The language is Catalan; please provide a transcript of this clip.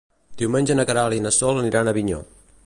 Diumenge na Queralt i na Sol aniran a Avinyó.